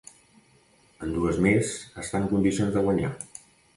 En dues més està en condicions de guanyar.